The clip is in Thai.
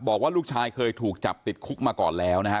บอกว่าลูกชายเคยถูกจับติดคุกมาก่อนแล้วนะฮะ